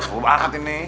kutuk banget ini